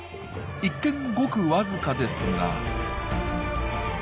一見ごくわずかですが。